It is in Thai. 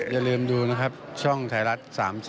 อย่าลืมดูนะครับช่องไทยรัฐ๓๒